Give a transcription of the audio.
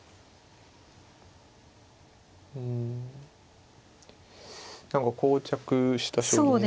うん何かこう着した将棋に。